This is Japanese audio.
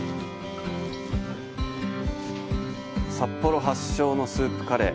札幌発祥のスープカレー。